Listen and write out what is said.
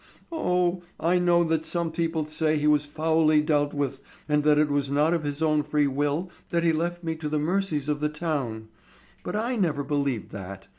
Oh, I know that some people say he was foully dealt with and that it was not of his own free will that he left me to the mercies of the town. But I never believed that.